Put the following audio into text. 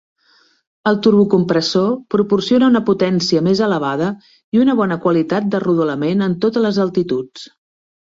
El turbocompressor proporciona una potència més elevada i una bona qualitat de rodolament en totes les altituds.